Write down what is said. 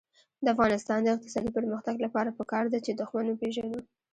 د افغانستان د اقتصادي پرمختګ لپاره پکار ده چې دښمن وپېژنو.